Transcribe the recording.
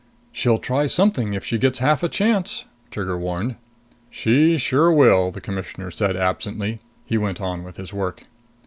"She'll try something if she gets half a chance!" Trigger warned. "She sure will!" the Commissioner said absently. He went on with his work.